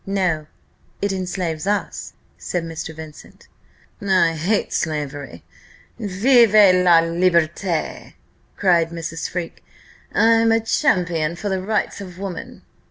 "No; it enslaves us," said Mr. Vincent. "I hate slavery! Vive la liberté!" cried Mrs. Freke. "I'm a champion for the Rights of Woman."